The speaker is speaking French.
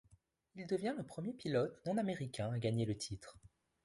Il devient le premier pilote non américain à gagner le titre.